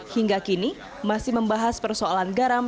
hingga kini masih membahas persoalan garam